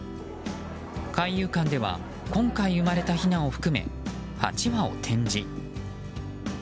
海遊館では今回生まれたひなを含め８羽を展示。